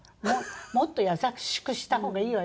もっと優しくした方がいいわよ。